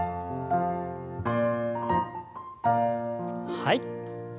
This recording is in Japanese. はい。